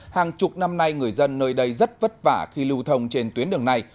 hàng chục năm nay người dân nơi đây rất vất vả khi lưu thông trên tuyến đường này